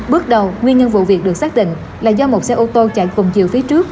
bước đầu nguyên nhân vụ việc được xác định là do một xe ô tô chạy cùng chiều phía trước